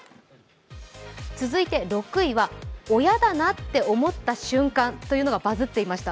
続いて６位は親だなと思った瞬間というのがバズっていました。